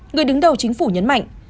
người đứng đầu chính phủ nhấn mạnh